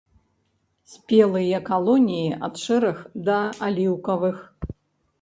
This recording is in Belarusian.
Спелыя калоніі ад шэрых да аліўкавых.